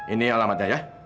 ini alamatnya ya